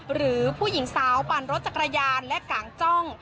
หรือผู้หญิงสาวปั่นรถจักรยานและกางจ้อง